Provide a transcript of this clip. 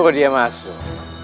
suruh dia masuk